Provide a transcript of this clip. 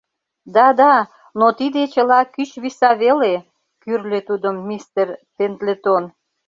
— Да, да... но тиде чыла кӱч виса веле, — кӱрльӧ тудым мистер Пендлетон.